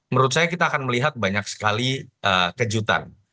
menurut saya kita akan melihat banyak sekali kejutan